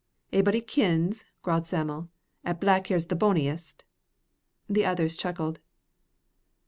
"A'body kins," growled Sam'l, "'at black hair's the bonniest." The others chuckled.